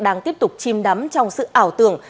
đang tiếp tục chìm đắm trong sự ảo tưởng